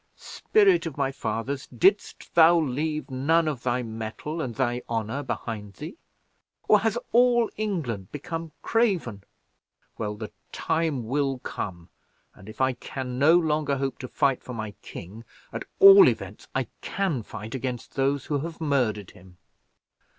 Spirit of my fathers, didst thou leave none of thy mettle and thy honour behind thee; or has all England become craven? Well, the time will come, and if I can no longer hope to fight for my king, at all events I can fight against those who have murdered him."